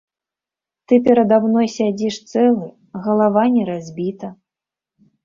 Ты перада мной сядзіш цэлы, галава не разбіта.